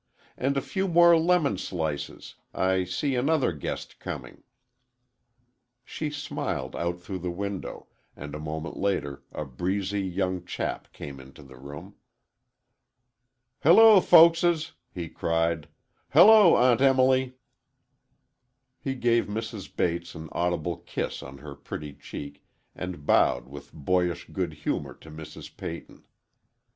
"And a few more lemon slices,—I see another guest coming." She smiled out through the window, and a moment later a breezy young chap came into the room. "Hello, folkses," he cried; "Hello, Aunt Emily." He gave Mrs. Bates an audible kiss on her pretty cheek and bowed with boyish good humor to Mrs. Peyton.